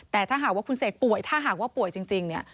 แต่ถ้าหากว่าคุณเสกป่วยถ้าหากว่าป่วยจริงเนี่ย